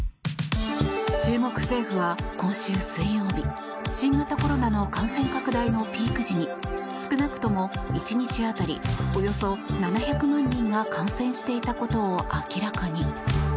中国政府は今週水曜日新型コロナの感染拡大のピーク時に少なくとも１日当たりおよそ７００万人が感染していたことを明らかに。